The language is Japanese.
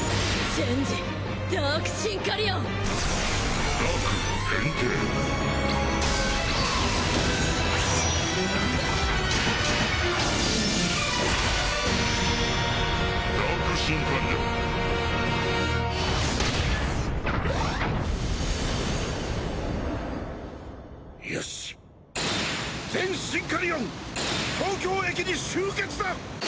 全シンカリオン東京駅に集結だ！